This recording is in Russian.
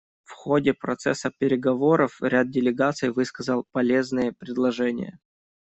В ходе процесса переговоров ряд делегаций высказал полезные предложения.